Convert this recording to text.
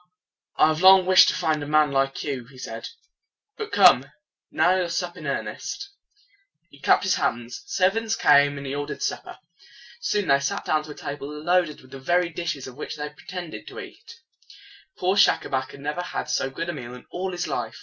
"I have long wished to find a man like you," he said. "But come, now we will sup in earnest." He clapped his hands. Servants came, and he ordered supper. Soon they sat down to a table loaded with the very dishes of which they had pre tend ed to eat. Poor Schacabac had never had so good a meal in all his life.